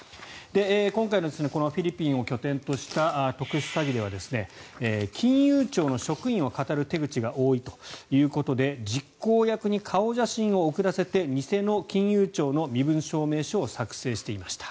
今回のこのフィリピンを拠点とした特殊詐欺では金融庁の職員をかたる手口が多いということで実行役に顔写真を送らせて偽の金融庁の身分証明書を作成していました。